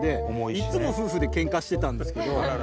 いつも夫婦でけんかしてたんですけど。